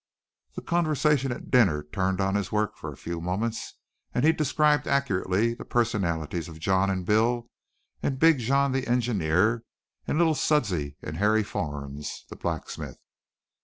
The conversation at dinner turned on his work for a few moments and he described accurately the personalities of John and Bill and Big John the engineer, and little Suddsy and Harry Fornes, the blacksmith.